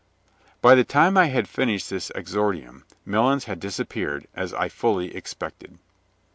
By the time I had finished this exordium, Melons had disappeared, as I fully expected.